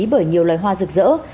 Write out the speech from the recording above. bởi nhiều loài hoa rực rỡ